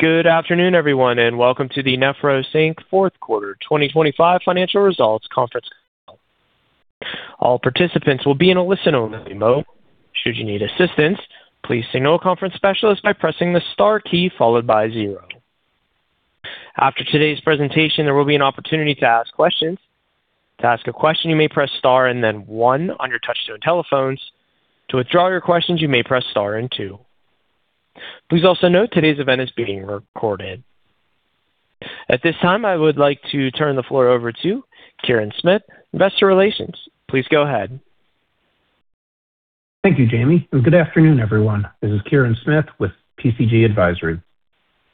Good afternoon, everyone, and welcome to the Nephros, Inc. fourth quarter 2025 financial results conference call. All participants will be in a listen-only mode. Should you need assistance, please signal a conference specialist by pressing the star key followed by zero. After today's presentation, there will be an opportunity to ask questions. To ask a question, you may press star and then one on your touchtone telephones. To withdraw your questions, you may press star and two. Please also note today's event is being recorded. At this time, I would like to turn the floor over to Kirin Smith, Investor Relations. Please go ahead. Thank you, Jamie, and good afternoon, everyone. This is Kirin Smith with PCG Advisory.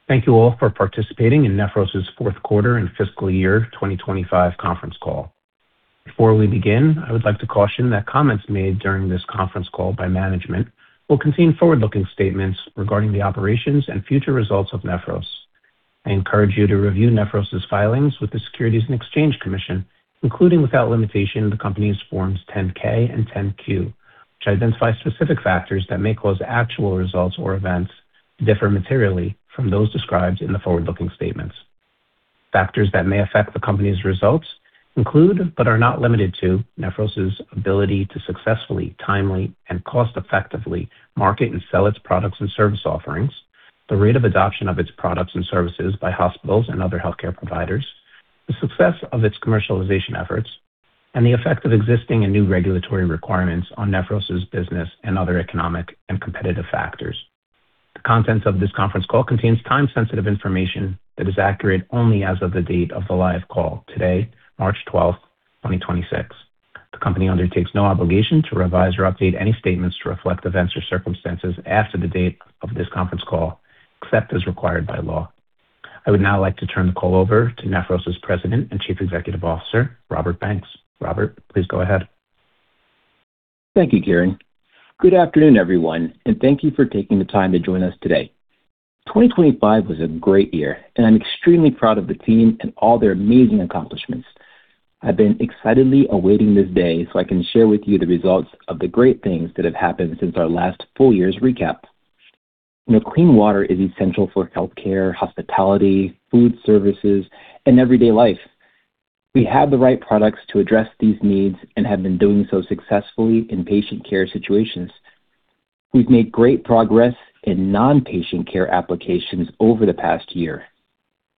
Thank you all for participating in Nephros' fourth quarter and fiscal year 2025 conference call. Before we begin, I would like to caution that comments made during this conference call by management will contain forward-looking statements regarding the operations and future results of Nephros. I encourage you to review Nephros' filings with the Securities and Exchange Commission, including, without limitation, the company's Forms 10-K and 10-Q, which identify specific factors that may cause actual results or events to differ materially from those described in the forward-looking statements. Factors that may affect the company's results include, but are not limited to, Nephros' ability to successfully, timely, and cost-effectively market and sell its products and service offerings, the rate of adoption of its products and services by hospitals and other healthcare providers, the success of its commercialization efforts, and the effect of existing and new regulatory requirements on Nephros' business and other economic and competitive factors. The contents of this conference call contains time-sensitive information that is accurate only as of the date of the live call today, March 12, 2026. The company undertakes no obligation to revise or update any statements to reflect events or circumstances after the date of this conference call, except as required by law. I would now like to turn the call over to Nephros' President and Chief Executive Officer, Robert Banks. Robert, please go ahead. Thank you, Kirin. Good afternoon, everyone, and thank you for taking the time to join us today. 2025 was a great year, and I'm extremely proud of the team and all their amazing accomplishments. I've been excitedly awaiting this day, so I can share with you the results of the great things that have happened since our last full year's recap. You know, clean water is essential for healthcare, hospitality, food services, and everyday life. We have the right products to address these needs and have been doing so successfully in patient care situations. We've made great progress in non-patient care applications over the past year.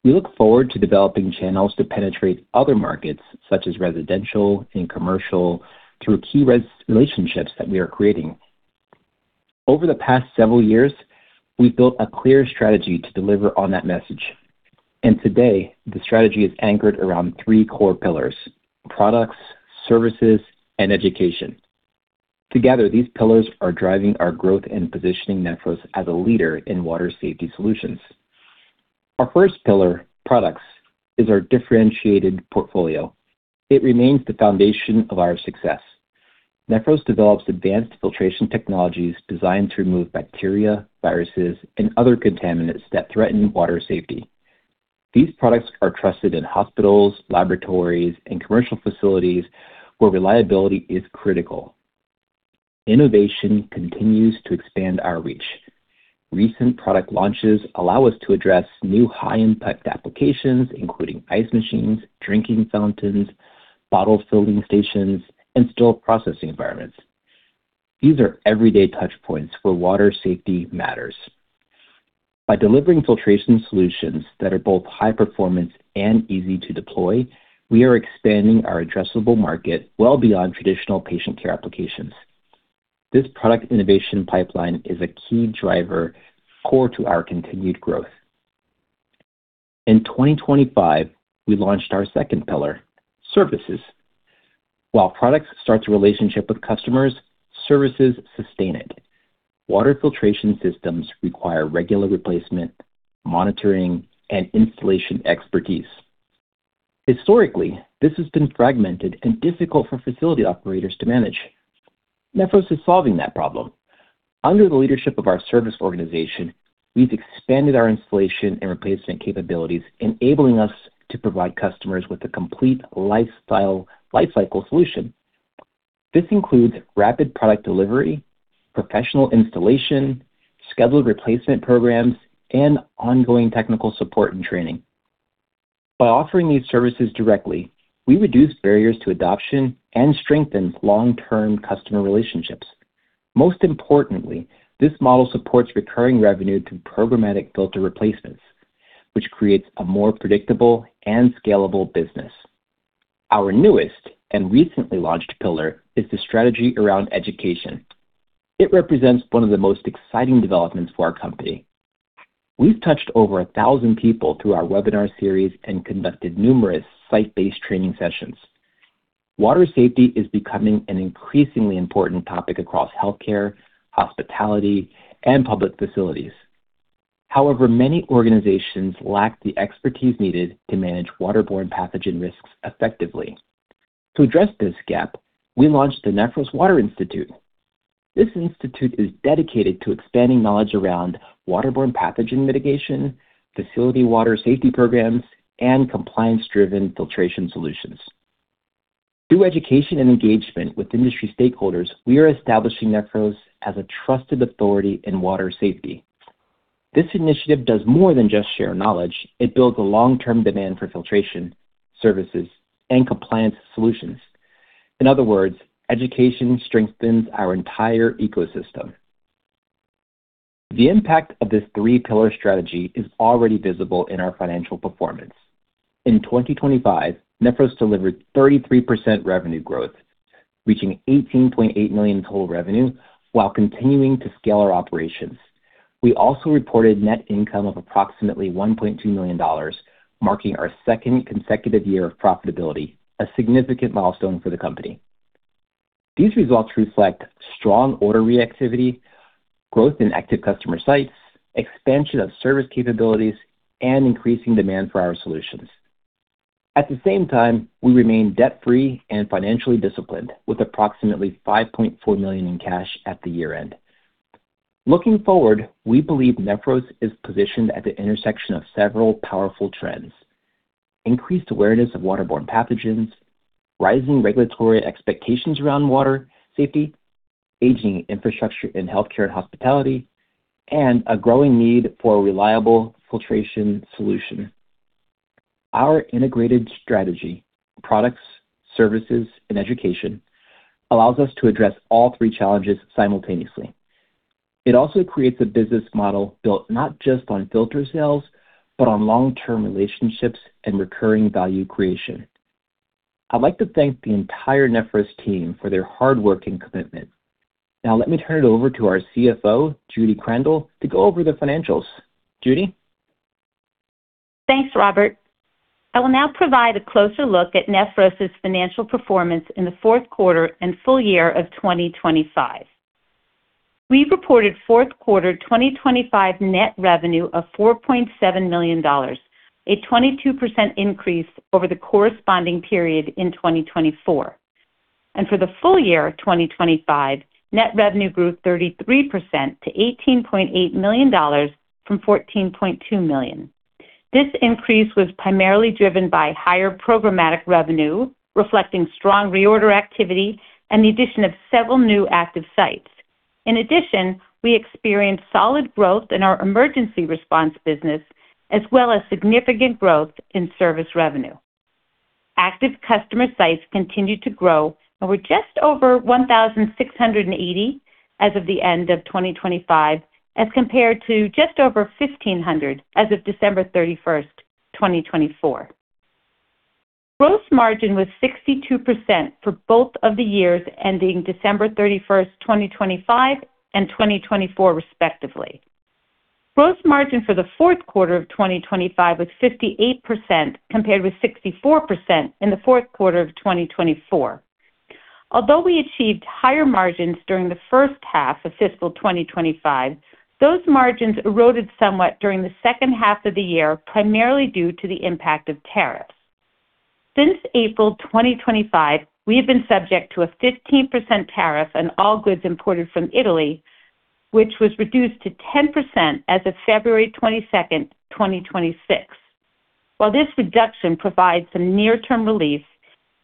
We look forward to developing channels to penetrate other markets, such as residential and commercial, through key relationships that we are creating. Over the past several years, we've built a clear strategy to deliver on that message. Today, the strategy is anchored around three core pillars, products, services, and education. Together, these pillars are driving our growth and positioning Nephros as a leader in water safety solutions. Our first pillar, products, is our differentiated portfolio. It remains the foundation of our success. Nephros develops advanced filtration technologies designed to remove bacteria, viruses, and other contaminants that threaten water safety. These products are trusted in hospitals, laboratories, and commercial facilities where reliability is critical. Innovation continues to expand our reach. Recent product launches allow us to address new high-impact applications, including ice machines, drinking fountains, bottle filling stations, and sterile processing environments. These are everyday touchpoints where water safety matters. By delivering filtration solutions that are both high performance and easy to deploy, we are expanding our addressable market well beyond traditional patient care applications. This product innovation pipeline is a key driver core to our continued growth. In 2025, we launched our second pillar, services. While products start a relationship with customers, services sustain it. Water filtration systems require regular replacement, monitoring, and installation expertise. Historically, this has been fragmented and difficult for facility operators to manage. Nephros is solving that problem. Under the leadership of our service organization, we've expanded our installation and replacement capabilities, enabling us to provide customers with a complete lifecycle solution. This includes rapid product delivery, professional installation, scheduled replacement programs, and ongoing technical support and training. By offering these services directly, we reduce barriers to adoption and strengthen long-term customer relationships. Most importantly, this model supports recurring revenue through programmatic filter replacements, which creates a more predictable and scalable business. Our newest and recently launched pillar is the strategy around education. It represents one of the most exciting developments for our company. We've touched over 1,000 people through our webinar series and conducted numerous site-based training sessions. Water safety is becoming an increasingly important topic across healthcare, hospitality, and public facilities. However, many organizations lack the expertise needed to manage waterborne pathogen risks effectively. To address this gap, we launched the Nephros Water Institute. This institute is dedicated to expanding knowledge around waterborne pathogen mitigation, facility water safety programs, and compliance-driven filtration solutions. Through education and engagement with industry stakeholders, we are establishing Nephros as a trusted authority in water safety. This initiative does more than just share knowledge, it builds a long-term demand for filtration, services, and compliance solutions. In other words, education strengthens our entire ecosystem. The impact of this three-pillar strategy is already visible in our financial performance. In 2025, Nephros delivered 33% revenue growth, reaching $18.8 million total revenue while continuing to scale our operations. We also reported net income of approximately $1.2 million, marking our second consecutive year of profitability, a significant milestone for the company. These results reflect strong order reactivity, growth in active customer sites, expansion of service capabilities, and increasing demand for our solutions. At the same time, we remain debt-free and financially disciplined with approximately $5.4 million in cash at the year-end. Looking forward, we believe Nephros is positioned at the intersection of several powerful trends. Increased awareness of waterborne pathogens, rising regulatory expectations around water safety, aging infrastructure in healthcare and hospitality, and a growing need for reliable filtration solution. Our integrated strategy, products, services, and education allows us to address all three challenges simultaneously. It also creates a business model built not just on filter sales, but on long-term relationships and recurring value creation. I'd like to thank the entire Nephros team for their hard work and commitment. Now let me turn it over to our CFO, Judy Krandel, to go over the financials. Judy? Thanks, Robert. I will now provide a closer look at Nephros' financial performance in the fourth quarter and full year of 2025. We reported fourth quarter 2025 net revenue of $4.7 million, a 22% increase over the corresponding period in 2024. For the full year of 2025, net revenue grew 33% to $18.8 million from $14.2 million. This increase was primarily driven by higher programmatic revenue, reflecting strong reorder activity and the addition of several new active sites. In addition, we experienced solid growth in our emergency response business, as well as significant growth in service revenue. Active customer sites continued to grow and were just over 1,680 as of the end of 2025, as compared to just over 1,500 as of December 31st, 2024. Gross margin was 62% for both of the years ending December 31, 2025 and 2024, respectively. Gross margin for the fourth quarter of 2025 was 58%, compared with 64% in the fourth quarter of 2024. Although we achieved higher margins during the first half of fiscal 2025, those margins eroded somewhat during the second half of the year, primarily due to the impact of tariffs. Since April 2025, we have been subject to a 15% tariff on all goods imported from Italy, which was reduced to 10% as of February 22, 2026. While this reduction provides some near-term relief,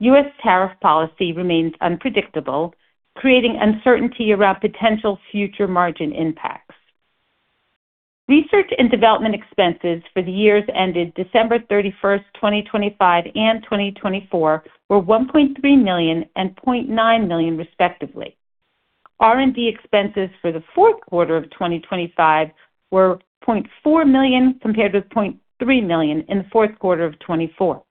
U.S. tariff policy remains unpredictable, creating uncertainty around potential future margin impacts. Research and development expenses for the years ended December 31st, 2025 and 2024 were $1.3 million and $0.9 million, respectively. R&D expenses for the fourth quarter of 2025 were $0.4 million compared with $0.3 million in the fourth quarter of 2024,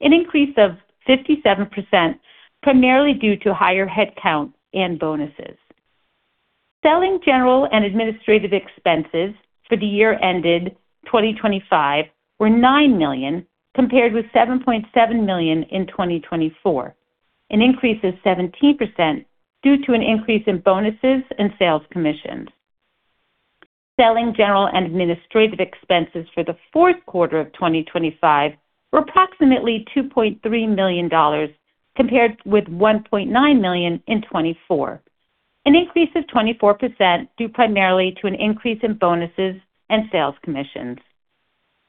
an increase of 57%, primarily due to higher headcount and bonuses. Selling general and administrative expenses for the year ended 2025 were $9 million, compared with $7.7 million in 2024, an increase of 17% due to an increase in bonuses and sales commissions. Selling general and administrative expenses for the fourth quarter of 2025 were approximately $2.3 million compared with $1.9 million in 2024, an increase of 24% due primarily to an increase in bonuses and sales commissions.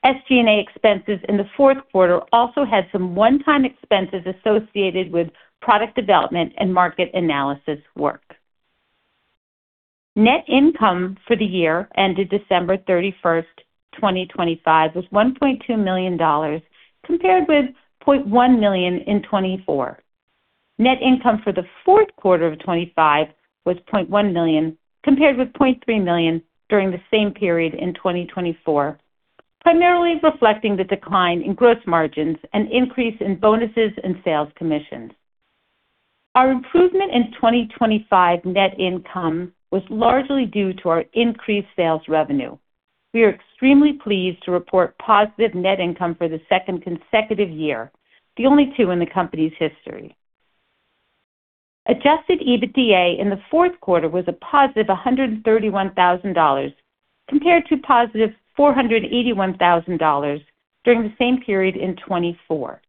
SG&A expenses in the fourth quarter also had some one-time expenses associated with product development and market analysis work. Net income for the year ended December 31st, 2025 was $1.2 million, compared with $0.1 million in 2024. Net income for the fourth quarter of 2025 was $0.1 million, compared with $0.3 million during the same period in 2024, primarily reflecting the decline in gross margins and increase in bonuses and sales commissions. Our improvement in 2025 net income was largely due to our increased sales revenue. We are extremely pleased to report positive net income for the second consecutive year, the only two in the company's history. Adjusted EBITDA in the fourth quarter was a +$131,000 compared to +$481,00 during the same period in 2024.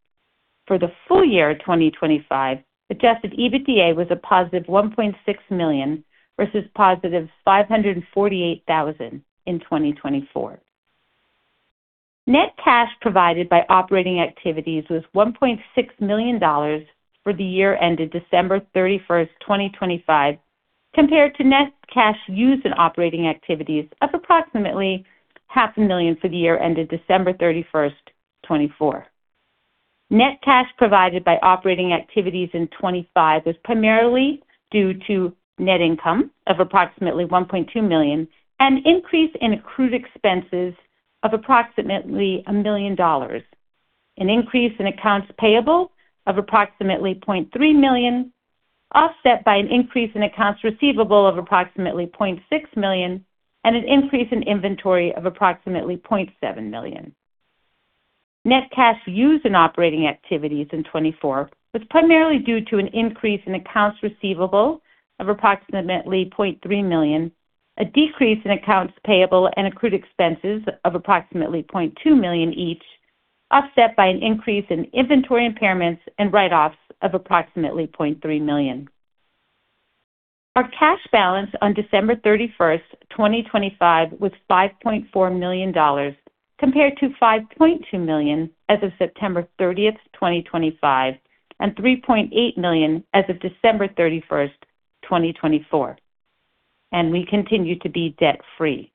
For the full year of 2025, adjusted EBITDA was +$1.6 million versus +$548,000 in 2024. Net cash provided by operating activities was $1.6 million for the year ended December 31, 2025, compared to net cash used in operating activities of approximately $500,000 for the year ended December 31st, 2024. Net cash provided by operating activities in 2025 was primarily due to net income of approximately $1.2 million, an increase in accrued expenses of approximately $1 million, an increase in accounts payable of approximately $0.3 million, offset by an increase in accounts receivable of approximately $0.6 million, and an increase in inventory of approximately $0.7 million. Net cash used in operating activities in 2024 was primarily due to an increase in accounts receivable of approximately $0.3 million, a decrease in accounts payable and accrued expenses of approximately $0.2 million each, offset by an increase in inventory impairments and write-offs of approximately $0.3 million. Our cash balance on December 31st, 2025 was $5.4 million compared to $5.2 million as of September 30th, 2025, and $3.8 million as of December 31st, 2024. We continue to be debt-free.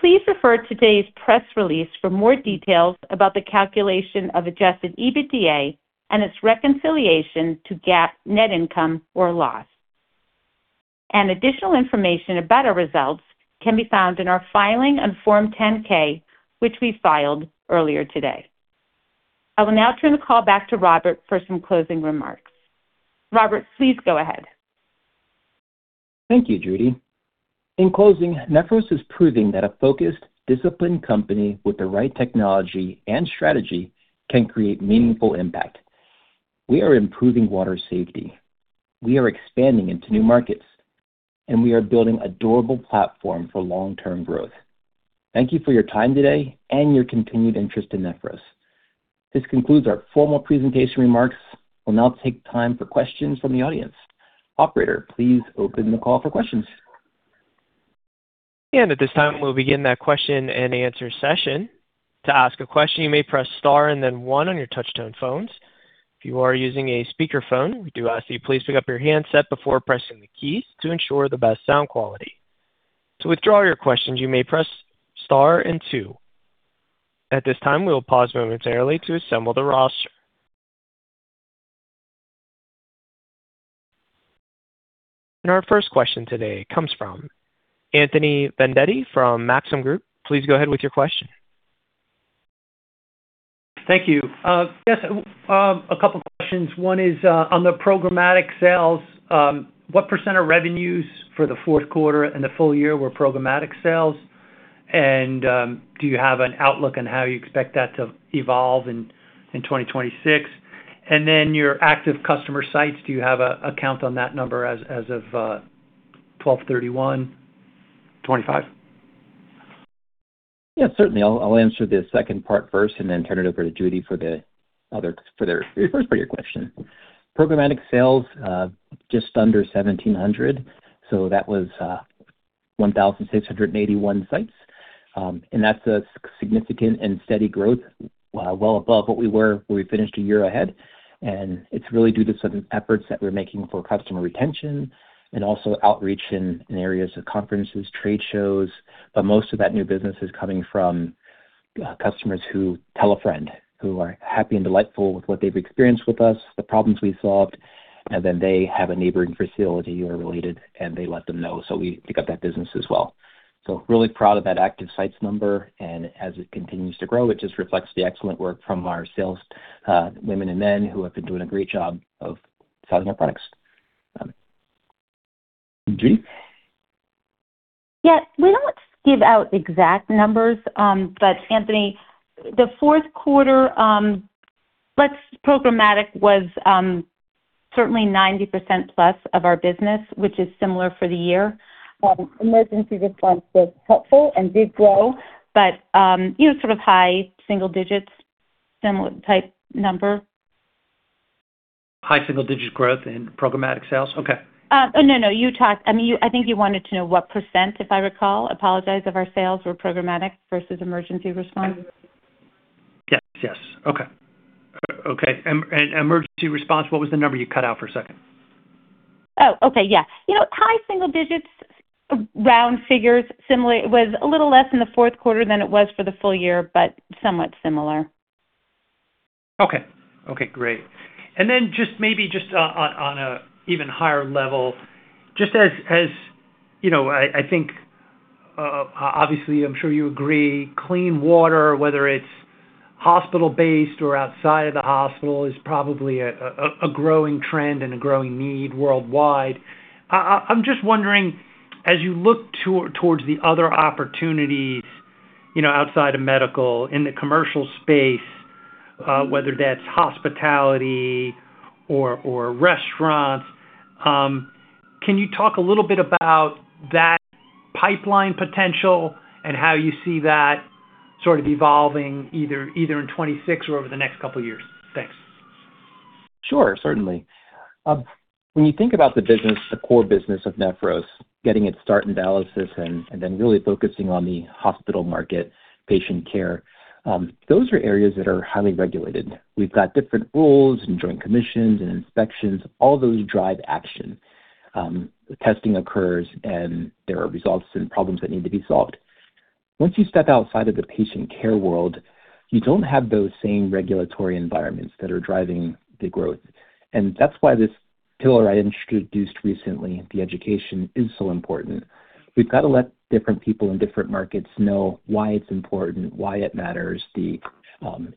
Please refer to today's press release for more details about the calculation of adjusted EBITDA and its reconciliation to GAAP net income or loss. Additional information about our results can be found in our filing on Form 10-K, which we filed earlier today. I will now turn the call back to Robert for some closing remarks. Robert, please go ahead. Thank you, Judy. In closing, Nephros is proving that a focused, disciplined company with the right technology and strategy can create meaningful impact. We are improving water safety. We are expanding into new markets, and we are building a durable platform for long-term growth. Thank you for your time today and your continued interest in Nephros. This concludes our formal presentation remarks. We'll now take time for questions from the audience. Operator, please open the call for questions. At this time, we'll begin that question-and-answer session. To ask a question, you may press star and then one on your touch-tone phones. If you are using a speakerphone, we do ask that you please pick up your handset before pressing the keys to ensure the best sound quality. To withdraw your questions, you may press star and two. At this time, we will pause momentarily to assemble the roster. Our first question today comes from Anthony Vendetti from Maxim Group. Please go ahead with your question. Thank you. Yes, a couple questions. One is on the programmatic sales, what % of revenues for the fourth quarter and the full year were programmatic sales? Do you have an outlook on how you expect that to evolve in 2026? Then your active customer sites, do you have a count on that number as of 12/31/2025? Yeah, certainly. I'll answer the second part first and then turn it over to Judy for the other for the first part of your question. Programmatic sales just under 1,700, so that was 1,681 sites. That's a significant and steady growth, well above what we were when we finished a year ahead. It's really due to some efforts that we're making for customer retention and also outreach in areas of conferences, trade shows. Most of that new business is coming from customers who tell a friend who are happy and delightful with what they've experienced with us, the problems we've solved, and then they have a neighboring facility or related, and they let them know, so we pick up that business as well. Really proud of that active sites number. As it continues to grow, it just reflects the excellent work from our sales, women and men who have been doing a great job of selling our products. Judy. Yeah. We don't give out exact numbers, but Anthony, the fourth quarter, programmatic was certainly 90%+ of our business, which is similar for the year. Emergency response was helpful and did grow, but, you know, sort of high single digits, similar type number. High single-digit growth in programmatic sales? Okay. No, no. I mean, you. I think you wanted to know what percent, if I recall, apologize, of our sales were programmatic versus emergency response. Yes. Okay. Emergency response, what was the number you cut out for a second? Oh, okay. Yeah. You know, high single digits, round figures. Similarly, it was a little less in the fourth quarter than it was for the full year, but somewhat similar. Okay. Okay, great. Just maybe on an even higher level, just as you know, I think obviously, I'm sure you agree, clean water, whether it's hospital-based or outside of the hospital, is probably a growing trend and a growing need worldwide. I'm just wondering, as you look towards the other opportunities, you know, outside of medical in the commercial space, whether that's hospitality or restaurants, can you talk a little bit about that pipeline potential and how you see that sort of evolving either in 2026 or over the next couple of years? Thanks. Sure. Certainly. When you think about the business, the core business of Nephros getting its start in dialysis and then really focusing on the hospital market patient care, those are areas that are highly regulated. We've got different rules and Joint Commission and inspections, all those drive action. The testing occurs and there are results and problems that need to be solved. Once you step outside of the patient care world, you don't have those same regulatory environments that are driving the growth. That's why this pillar I introduced recently, the education, is so important. We've got to let different people in different markets know why it's important, why it matters, the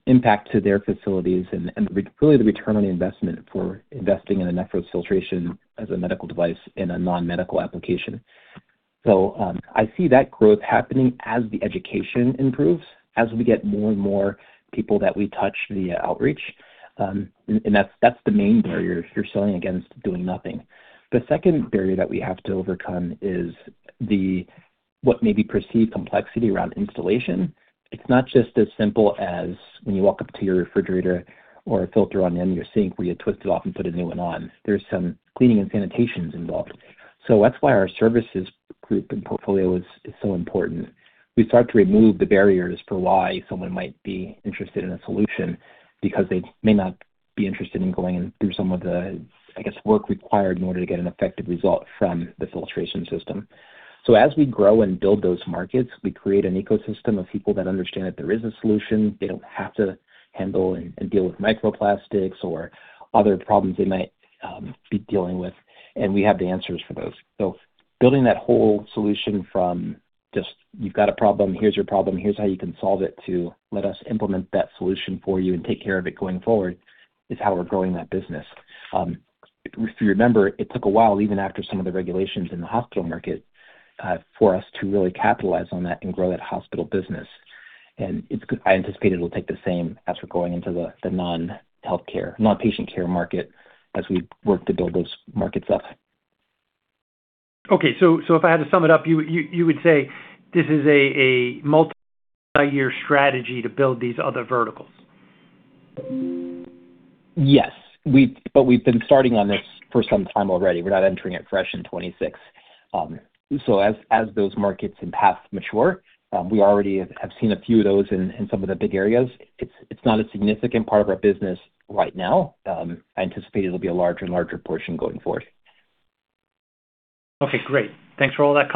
impact to their facilities and really the return on investment for investing in a Nephros filtration as a medical device in a non-medical application. I see that growth happening as the education improves, as we get more and more people that we touch via outreach. That's the main barrier. You're selling against doing nothing. The second barrier that we have to overcome is what may be perceived complexity around installation. It's not just as simple as when you walk up to your refrigerator or a filter on the end of your sink where you twist it off and put a new one on. There's some cleaning and sanitization involved. That's why our services group and portfolio is so important. We start to remove the barriers for why someone might be interested in a solution because they may not be interested in going through some of the, I guess, work required in order to get an effective result from this filtration system. As we grow and build those markets, we create an ecosystem of people that understand that there is a solution. They don't have to handle and deal with microplastics or other problems they might be dealing with, and we have the answers for those. Building that whole solution from just, "You've got a problem. Here's your problem. Here's how you can solve it," to, "Let us implement that solution for you and take care of it going forward," is how we're growing that business. If you remember, it took a while, even after some of the regulations in the hospital market, for us to really capitalize on that and grow that hospital business. I anticipate it'll take the same as we're going into the non-healthcare, non-patient care market as we work to build those markets up. Okay. If I had to sum it up, you would say this is a multi-year strategy to build these other verticals. Yes. We've been starting on this for some time already. We're not entering it fresh in 2026. As those markets and paths mature, we already have seen a few of those in some of the big areas. It's not a significant part of our business right now. I anticipate it'll be a larger and larger portion going forward. Okay, great. Thanks for all that.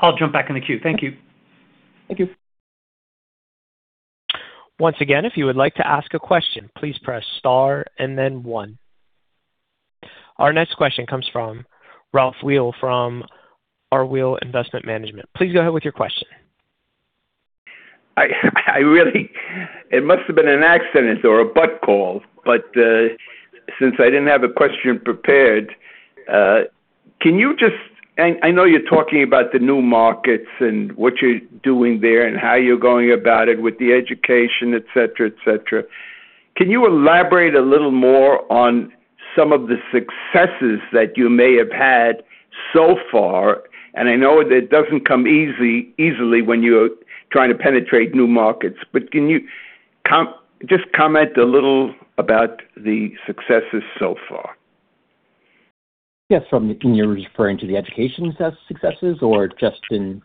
I'll jump back in the queue. Thank you. Thank you. Once again, if you would like to ask a question, please press star and then one. Our next question comes from Ralph Weil from R. Weil Investment Management. Please go ahead with your question. It must have been an accident or a butt dial, but since I didn't have a question prepared, can you just, I know you're talking about the new markets and what you're doing there and how you're going about it with the education, et cetera, et cetera. Can you elaborate a little more on some of the successes that you may have had so far? I know that doesn't come easily when you're trying to penetrate new markets, but can you just comment a little about the successes so far? Yes. You're referring to the education success, successes or just in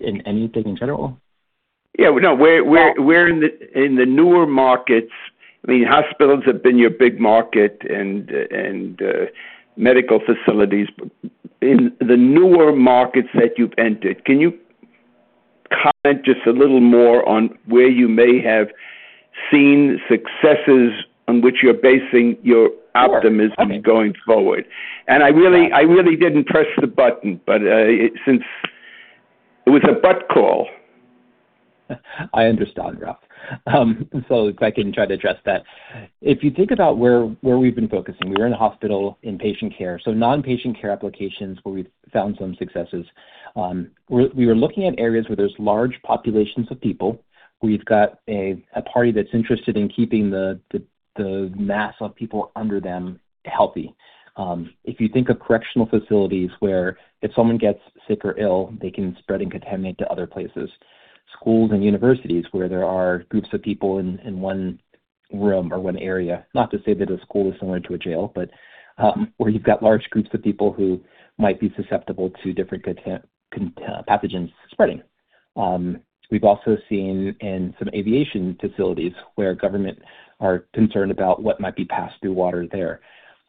anything in general? Yeah. No. We're in the newer markets. I mean, hospitals have been your big market and medical facilities. In the newer markets that you've entered, can you comment just a little more on where you may have seen successes on which you're basing your optimism on going forward? I really didn't press the button, but, since it was a butt call. I understand, Ralph. If I can try to address that. If you think about where we've been focusing, we were in a hospital inpatient care. Non-patient care applications where we've found some successes, we were looking at areas where there's large populations of people. We've got a party that's interested in keeping the mass of people under them healthy. If you think of correctional facilities where if someone gets sick or ill, they can spread and contaminate to other places. Schools and universities where there are groups of people in one room or one area. Not to say that a school is similar to a jail, where you've got large groups of people who might be susceptible to different pathogens spreading. We've also seen in some aviation facilities where government are concerned about what might be passed through water there.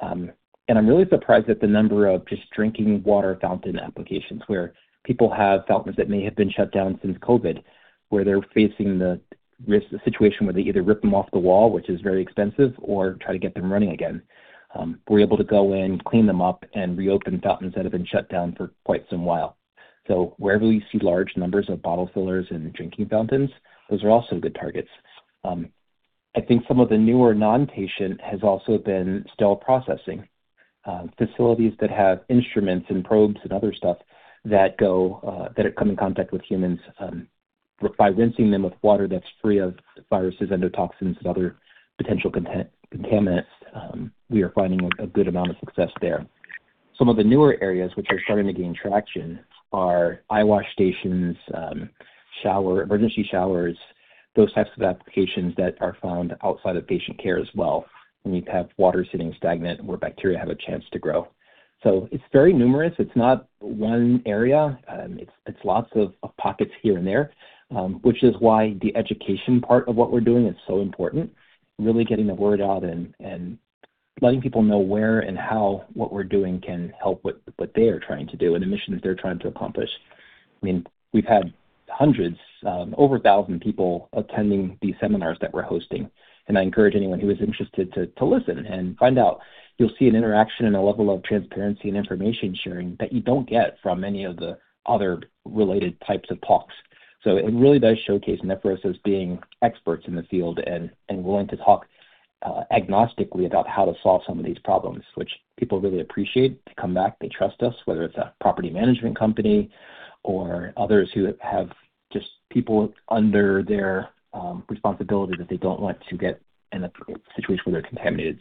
I'm really surprised at the number of just drinking water fountain applications where people have fountains that may have been shut down since COVID, where they're facing the risk, the situation where they either rip them off the wall, which is very expensive, or try to get them running again. We're able to go in, clean them up, and reopen fountains that have been shut down for quite some while. Wherever you see large numbers of bottle fillers and drinking fountains, those are also good targets. I think some of the newer non-patient areas have also been sterile processing facilities that have instruments and probes and other stuff that come in contact with humans by rinsing them with water that's free of viruses, endotoxins, and other potential contaminants. We are finding a good amount of success there. Some of the newer areas which are starting to gain traction are eye wash stations, emergency showers, those types of applications that are found outside of patient care as well, when you have water sitting stagnant where bacteria have a chance to grow. It's very numerous. It's not one area. It's lots of pockets here and there, which is why the education part of what we're doing is so important, really getting the word out and letting people know where and how what we're doing can help what they are trying to do and the mission that they're trying to accomplish. I mean, we've had hundreds, over 1,000 people attending these seminars that we're hosting. I encourage anyone who is interested to listen and find out. You'll see an interaction and a level of transparency and information sharing that you don't get from any of the other related types of talks. It really does showcase Nephros as being experts in the field and willing to talk agnostically about how to solve some of these problems, which people really appreciate. They come back. They trust us, whether it's a property management company or others who have just people under their responsibility that they don't want to get in a situation where they're contaminated.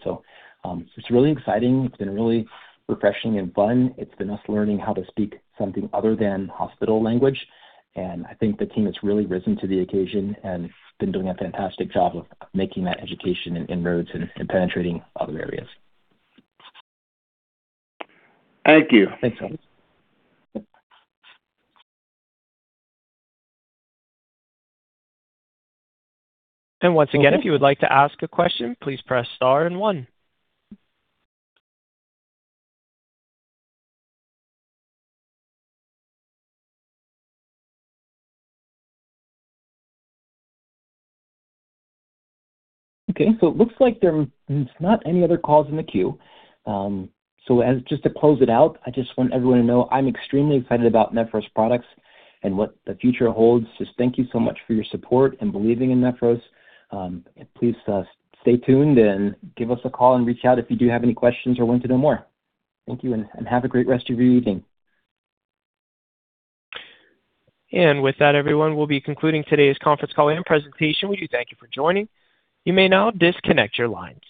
It's really exciting. It's been really refreshing and fun. It's been us learning how to speak something other than hospital language. I think the team has really risen to the occasion and been doing a fantastic job of making that education and inroads and penetrating other areas. Thank you. Thanks, Ralph. Once again, if you would like to ask a question, please press Star and one. Okay. It looks like there's not any other calls in the queue. As just to close it out, I just want everyone to know I'm extremely excited about Nephros products and what the future holds. Just thank you so much for your support and believing in Nephros. Please, stay tuned and give us a call and reach out if you do have any questions or want to know more. Thank you and have a great rest of your evening. With that, everyone, we'll be concluding today's conference call and presentation. We do thank you for joining. You may now disconnect your lines.